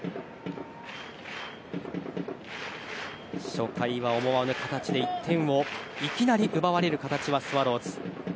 初回は思わぬ形で１点をいきなり奪われる形はスワローズ。